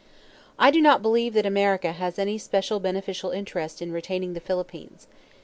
I do not believe that America has any special beneficial interest in retaining the Philippines.